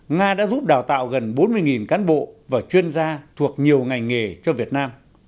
nga đã giúp đào tạo gần bốn mươi cán bộ và chuyên gia thuộc nhiều ngành nghề cho việt nam